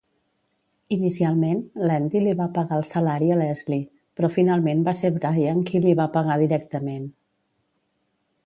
Inicialment, Landy li va pagar el salari a Leslie, però finalment va ser Brian qui li va pagar directament.